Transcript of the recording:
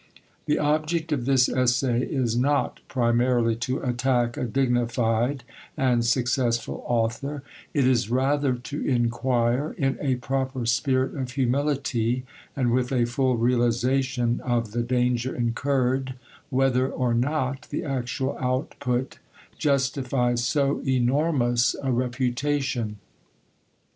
The object of this essay is not primarily to attack a dignified and successful author; it is rather to enquire, in a proper spirit of humility, and with a full realisation of the danger incurred, whether or not the actual output justifies so enormous a reputation.